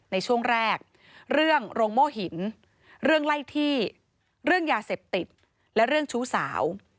ในช่วงแรกเรื่องโรงโม่หินเรื่องไล่ที่เรื่องยาเสพติดและเรื่องชู้สาว